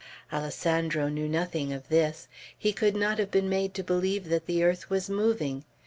Alessandro knew nothing of this; he could not have been made to believe that the earth was moving.